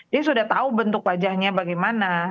dia sudah tahu bentuk wajahnya bagaimana